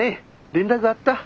連絡あった。